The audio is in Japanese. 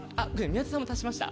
宮田さん足しました？